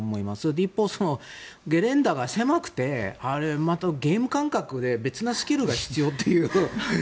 一方でゲレンデが狭くてあれ、ゲーム感覚で別のスキルが必要という。